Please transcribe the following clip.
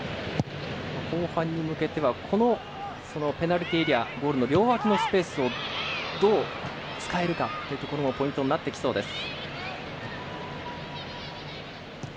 後半に向けてはペナルティーエリアゴールの両脇のスペースをどう使えるかというところもポイントになってきそうです。